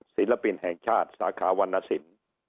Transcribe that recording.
ศิลปินแห่งชาติสาขาวรรณสิน